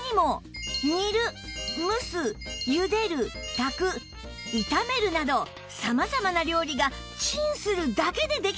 煮る蒸す茹でる炊く炒めるなど様々な料理がチンするだけでできちゃうんです